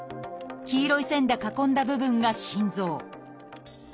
黄色い線で囲んだ部分が心臓。